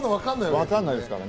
わかんないですからね。